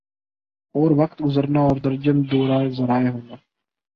اور وقت گزرنا اور درجن دورہ ذرائع ہونا